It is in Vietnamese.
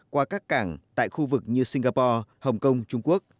qua các cảng tại khu vực như singapore hồng kông trung quốc